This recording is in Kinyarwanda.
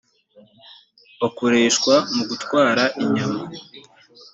bakoreshwa mu gutwara inyama